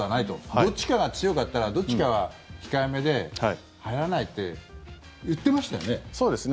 どっちかが強かったらどっちかは控えめではやらないって言ってましたよね。